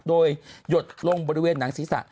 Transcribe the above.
โดยหยดลงบริเวณหนังศีรษะ